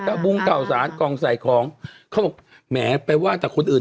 กาวบุงกาวสาธารณ์กองใส่ของเค้าบอกแหมไปว่าแต่คนอื่น